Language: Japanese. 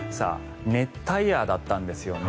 熱帯夜だったんですよね。